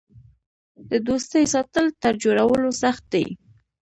د دوستۍ ساتل تر جوړولو سخت دي.